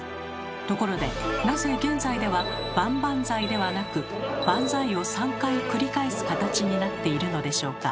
ところでなぜ現在では「バンバンザイ」ではなく「バンザイ」を３回繰り返す形になっているのでしょうか？